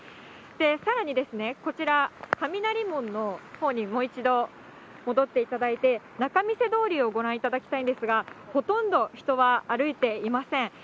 さらにですね、こちら、雷門のほうにもう一度戻っていただいて、仲見世通りをご覧いただきたいんですが、ほとんど人は歩いていません。